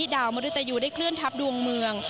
ดาวมริตยูได้เคลื่อนทัพดวงเมือง